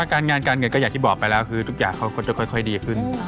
การงานการเงินก็อย่างที่บอกไปแล้วคือทุกอย่างเขาก็จะค่อยดีขึ้น